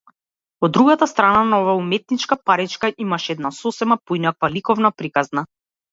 Од другата страна на оваа уметничка паричка, имаше една сосема поинаква ликовна приказна.